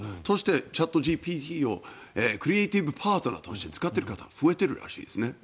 チャットＧＰＴをクリエーティブパートナーとして使っている方増えているらしいですね。